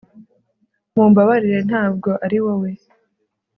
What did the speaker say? Mumbabarire ntabwo ari Wowe